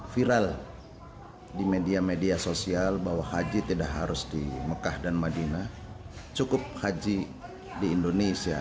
viral di media media sosial bahwa haji tidak harus di mekah dan madinah cukup haji di indonesia